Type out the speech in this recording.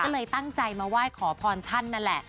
เลยตั้งใจมาว่ายขอพรท่านแหละ